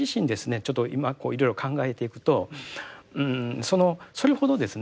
ちょっと今こういろいろ考えていくとそのそれほどですね